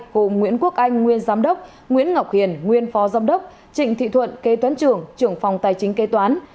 cùng nguyễn quốc anh nguyên giám đốc nguyễn ngọc hiền nguyên phó giám đốc trịnh thị thuận kê tuấn trường trưởng phòng tài chính kê toán